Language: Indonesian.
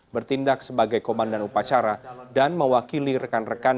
bertindak sebagai komandan upacara dan mewakili rekan rekan